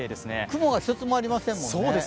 雲が一つもありませんもんね。